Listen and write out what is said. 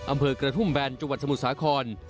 อำเภอกระทุ่มแบนจังหวัดสมุทรสาคร